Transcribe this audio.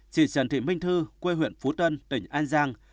chị trần thị minh thư quê huyện phú tân tỉnh an giang